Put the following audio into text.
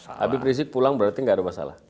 habis riset pulang berarti tidak ada masalah